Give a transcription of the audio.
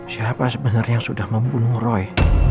siapa sebenarnya yang sudah membunuh roy